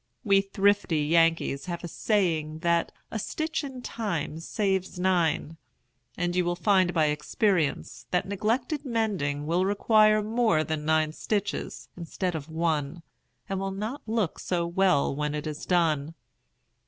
We thrifty Yankees have a saying that "a stitch in time saves nine"; and you will find by experience that neglected mending will require more than nine stitches instead of one, and will not look so well when it is done.